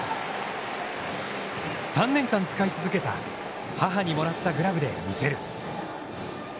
３年間使い続けた母にもらったグラブで見せる。